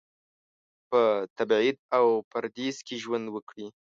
په تبعید او پردیس کې ژوند وکړي.